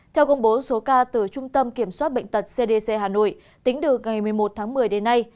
theo công bố số ca từ trung tâm kiểm soát bệnh tật cdc hà nội tính từ ngày một mươi một tháng một mươi đến nay